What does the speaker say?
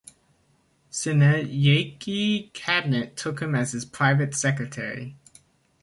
Senanayake Cabinet took him as his Private Secretary.